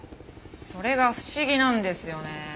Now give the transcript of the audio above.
それが不思議なんですよね。